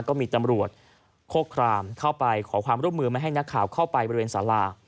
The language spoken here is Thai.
ก็มีตำรวจโคครามเข้าไปขอความร่วมมือไม่ให้นักข่าวเข้าไปบริเวณสารา